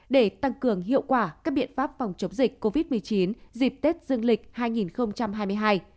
để tăng cường hiệu quả các biện pháp phòng chống dịch covid một mươi chín dịp tết dương lịch hai nghìn hai mươi hai